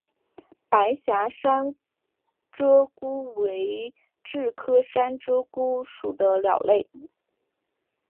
白颊山鹧鸪为雉科山鹧鸪属的鸟类。